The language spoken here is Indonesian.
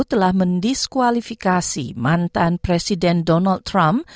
telah mendiskualifikasi mantan presiden donald trump